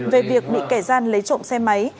về việc bị kẻ gian lấy trộm xe máy